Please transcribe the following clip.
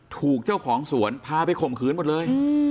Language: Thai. ถูกเจ้าของสวนพาไปข่มขืนหมดเลย